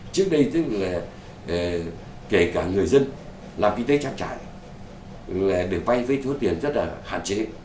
trước đây kể cả người dân làm kinh tế chát trải được vay với thuốc tiền rất là hạn chế